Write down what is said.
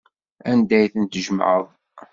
Anda ay ten-tjemɛeḍ?